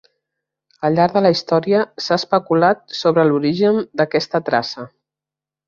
Al llarg de la història s'ha especulat sobre l'origen d'aquesta traça.